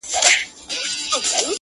په دې غار کي چي پراته کم موږکان دي,